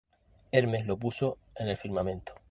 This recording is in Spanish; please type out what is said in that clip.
Hermes lo puso en el firmamento.